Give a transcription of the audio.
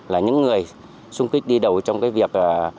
là những người xung kích đi đầu trong cái việc